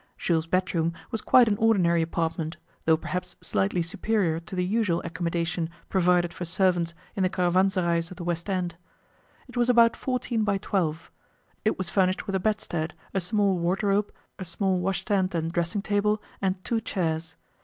Jules' bedroom was quite an ordinary apartment, though perhaps slightly superior to the usual accommodation provided for servants in the caravanserais of the West End. It was about fourteen by twelve. It was furnished with a bedstead, a small wardrobe, a small washstand and dressing table, and two chairs.